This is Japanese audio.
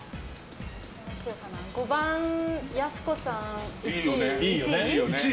５番、やす子さんが１位。